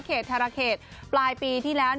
ธารเขตปลายปีที่แล้ว